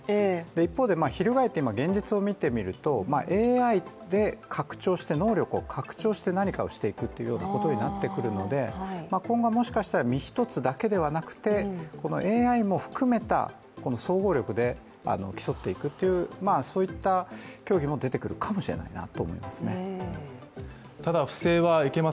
一方、翻って現実を見てみると、ＡＩで能力を拡張して何かをしていくということになってくるので、今後はもしかしたら身一つだけではなくて、ＡＩも含めた総合力で競っていくっていう競技も出てくるかもしれませんね。